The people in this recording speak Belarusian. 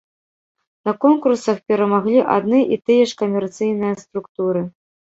На конкурсах перамагалі адны і тыя ж камерцыйныя структуры.